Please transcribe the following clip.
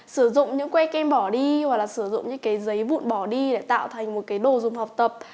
sử dụng những que kem bỏ đi hoặc là sử dụng những cái giấy vụn bỏ đi để tạo thành một cái đồ dùng học tập